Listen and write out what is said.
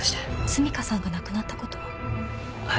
澄香さんが亡くなったことは。